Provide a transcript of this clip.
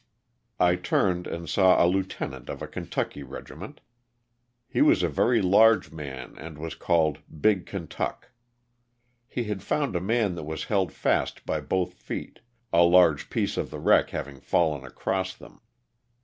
I turned and saw a lieutenant of a Kentucky regiment. He was a LOSS OF THE SULTANA. 375 very large man and was called "Big Kentuck." He had found a man that was held fast by both feet, a large piece of the wreck having fallen across them.